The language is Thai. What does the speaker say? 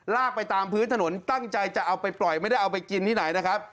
ลากไปตามพื้นถนนตั้งใจจะเอาไปปล่อยไม่ได้เอาไปกินที่ไหนนะครับ